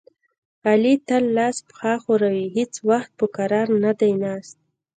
علي تل لاس پښه ښوروي، هېڅ وخت په کرار نه دی ناست.